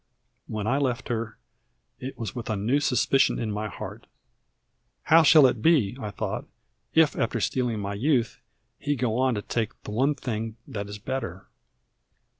When I left her, it was with a new suspicion in my heart. "How shall it be," I thought, "if after stealing my youth, he go on to take the one thing that is better?"